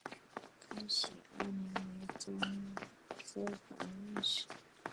开禧二年为忠州防御使。